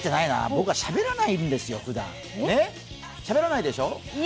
僕はしゃべらないんですよ、ふだんしゃべらないでしょ？